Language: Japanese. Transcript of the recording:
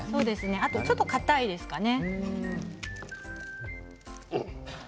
あとちょっとかたいですね。